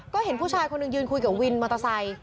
ก็เห็นผู้ชายคนหนึ่งยืนคุยกับวินมอเตอร์ไซค์